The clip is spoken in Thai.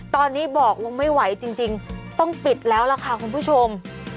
ตอนนี้บอกว่าไม่ไหวจริงต้องปิดแล้วล่ะค่ะคุณผู้ชม